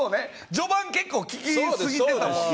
序盤結構聞きすぎてたもんね。